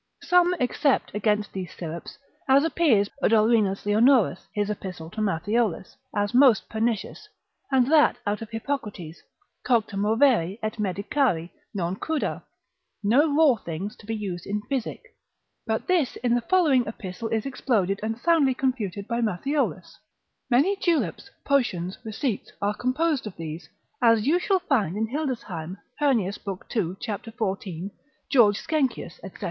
Some except against these syrups, as appears by Udalrinus Leonoras his epistle to Matthiolus, as most pernicious, and that out of Hippocrates, cocta movere, et medicari, non cruda, no raw things to be used in physic; but this in the following epistle is exploded and soundly confuted by Matthiolus: many juleps, potions, receipts, are composed of these, as you shall find in Hildesheim spicel. 2. Heurnius lib. 2. cap. 14. George Sckenkius Ital. med.